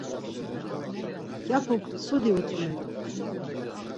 Mǩyapuk mtsudi utzumet̆u.